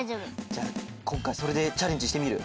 じゃあこんかいそれでチャレンジしてみる？